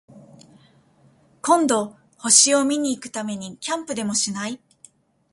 今度、星を見に行くためにキャンプでもしない？